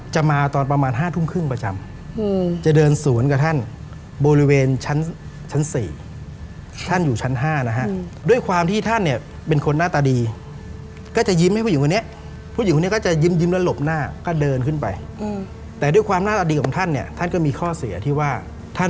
จะมาตอนประมาณ๕ทุ่มครึ่งประจำจะเดินสวนกับท่าน